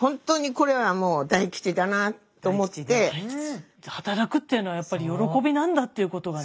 だから働くっていうのはやっぱり喜びなんだっていうことがね。